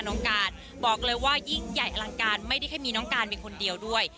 น้องการบอกเลยว่ายิ่งใหญ่อลังการไม่ได้แค่มีน้องการเป็นคนเดียวด้วย